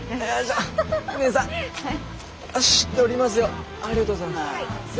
ありがとうございます。